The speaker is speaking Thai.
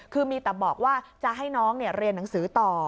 คือมีแต่บอกว่าจะให้น้องเรียนหนังสือต่อ